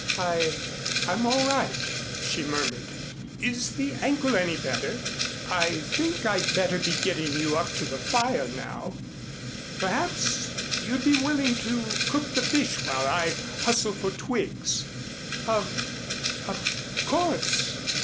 "I I'm all right," she murmured. "Is the ankle any better? I think I'd better be getting you up to the fire now. Perhaps, you'd be willing to cook the fish while I hustle for twigs." "Of of course."